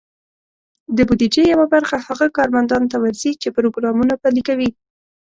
د بودیجې یوه برخه هغه کارمندانو ته ورځي، چې پروګرامونه پلي کوي.